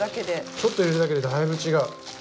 ちょっと入れるだけでだいぶ違う。